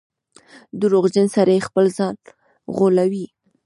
• دروغجن سړی خپل ځان غولوي.